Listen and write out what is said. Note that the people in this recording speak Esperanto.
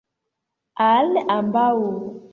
Al ambaŭ.